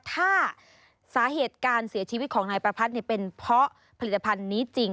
ถ้าสาเหตุการเสียชีวิตของนายประพัทธ์เป็นเพราะผลิตภัณฑ์นี้จริง